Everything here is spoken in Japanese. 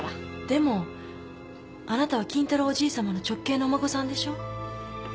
でもあなたは金太郎おじいさまの直系のお孫さんでしょ。